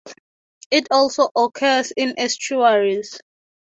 It also occurs in estuaries.